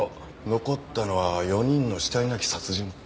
残ったのは４人の死体なき殺人か。